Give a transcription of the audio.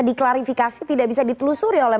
diklarifikasi tidak bisa ditelusuri oleh